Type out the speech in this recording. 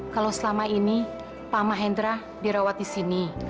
kalau selama ini pak mahendra dirawat di sini